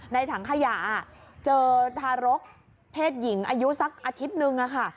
ถังขยะเจอทารกเพศหญิงอายุสักอาทิตย์นึงค่ะ